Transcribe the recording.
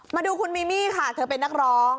มาดูคุณมีมี่ค่ะเธอเป็นนักร้อง